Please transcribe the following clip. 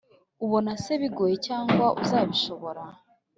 ubona se bigoye cyangwa uzabishobora